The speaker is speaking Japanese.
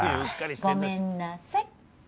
ごめんなさい。